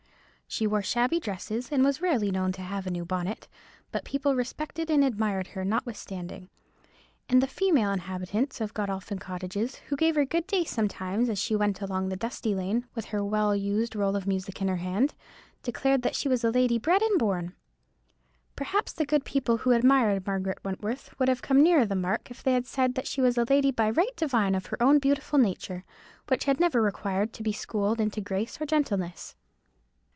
She wore shabby dresses, and was rarely known to have a new bonnet; but people respected and admired her, notwithstanding; and the female inhabitants of Godolphin Cottages, who gave her good day sometimes as she went along the dusty lane with her well used roll of music in her hand, declared that she was a lady bred and born. Perhaps the good people who admired Margaret Wentworth would have come nearer the mark if they had said that she was a lady by right divine of her own beautiful nature, which had never required to be schooled into grace or gentleness.